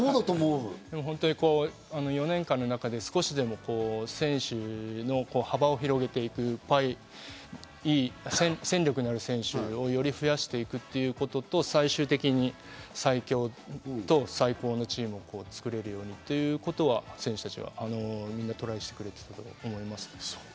４年間の中で、少しでも選手の幅を広げていく、戦力になる選手をより増やしていくということと最終的に、最強と最高のチームを作るということは、選手たちがみんなトライしてくれていたと思います。